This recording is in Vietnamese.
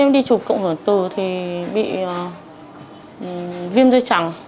em đi chụp cộng hưởng từ thì bị viêm dây trắng